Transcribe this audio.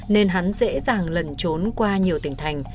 nên hắn dễ dàng lẩn trốn qua nhiều tỉnh thành